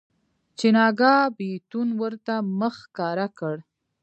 چې ناګاه بيتون ورته مخ ښکاره کړ.